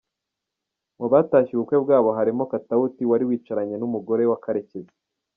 Mu batashye ubukwe bwabo harimo Katawuti wari wicaranye n'umugore wa Karekezi.